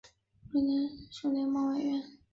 瑞士联邦委员会委员。